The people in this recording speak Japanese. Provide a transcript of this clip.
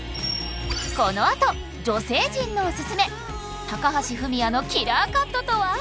このあと女性陣のオススメ高橋文哉のキラーカットとは？